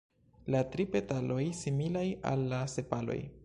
La tri petaloj similaj al la sepaloj.